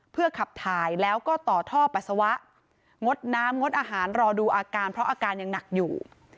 เพื่อขับถ่ายแล้วก็ต่อท่อปัสสาวะงดน้ำงดอาหารรอดูอาการเพราะอาการยังหนักอยู่